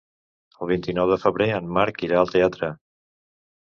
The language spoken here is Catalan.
El vint-i-nou de febrer en Marc irà al teatre.